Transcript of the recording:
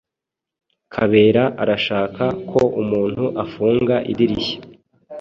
Kabera arashaka ko umuntu afunga idirishya.